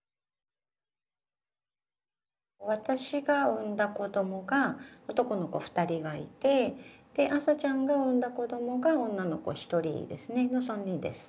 私が産んだ子供が男の子２人がいてで麻ちゃんが産んだ子供が女の子１人ですねの３人です。